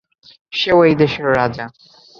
সে-ও এই দেশের রাজা।